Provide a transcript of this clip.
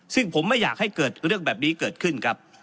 ซึ่งผมไม่อยากให้เกิดเรื่องแบบนี้เกิดขึ้นครับ